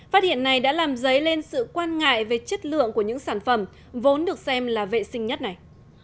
phát hiện này đã làm dấy lên sự quan ngại về chất lượng của những sản phẩm vốn được xem là vệ sinh nhất này